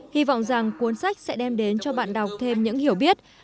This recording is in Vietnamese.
hy vọng rằng cuốn sách sẽ đem đến cho bạn đọc thêm những hiểu biết